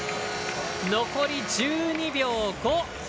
残り１２秒５。